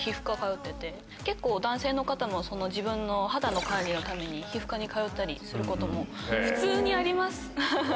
結構男性の方も自分の肌の管理のために皮膚科に通ったりすることも普通にあります。